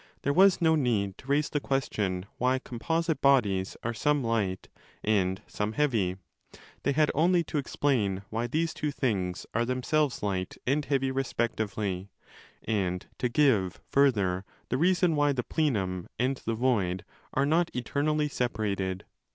there was 20 no need to raise the question why composite bodies are some light and some heavy; they had only to explain why these two things are themselves light and heavy respectively, and to give, further, the reason why the plenum and the void are not eternally separated.